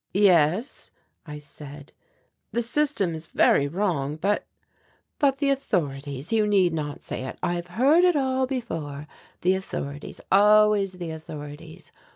"Yes," I said, "the system is very wrong, but " "But the authorities, you need not say it, I have heard it all before, the authorities, always the authorities.